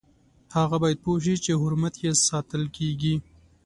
هغه باید پوه شي چې حرمت یې ساتل کیږي.